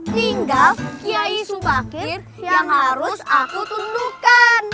tinggal ki aisubakir yang harus saya tundukkan